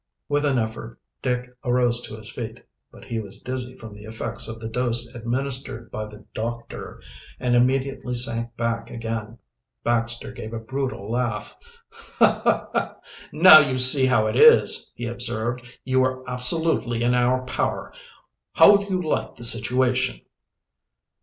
With an effort Dick arose to his feet. But he was dizzy from the effects of the dose administered by the doctor, and immediately sank back again. Baxter gave a brutal laugh. "Now you see how it is," he observed. "You are absolutely in our power. How do you like the situation?"